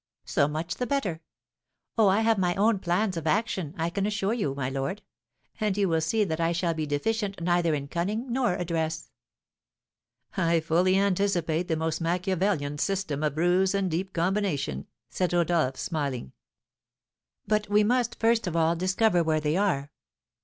So much the better. Oh, I have my own plans of action, I can assure you, my lord; and you will see that I shall be deficient neither in cunning nor address." "I fully anticipate the most Machiavelian system of ruse and deep combination," said Rodolph, smiling. "But we must, first of all, discover where they are.